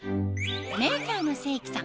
メーカーの清木さん